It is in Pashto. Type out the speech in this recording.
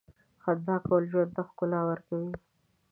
• خندا کول ژوند ته ښکلا ورکوي.